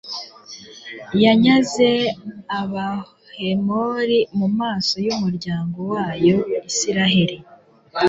yanyaze abahemori mu maso y'umuryango wayo israheli